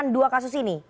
dua kasus ini